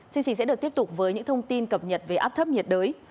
chương trình sẽ được tiếp tục với những thông tin cập nhật về áp thấp nhiệt đới